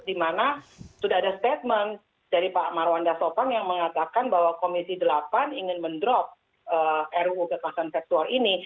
dimana sudah ada statement dari pak marwanda sopang yang mengatakan bahwa komisi delapan ingin mendrop ruu kekerasan seksual ini